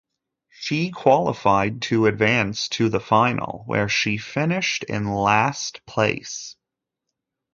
She qualified to advance to the final where she finished in last place.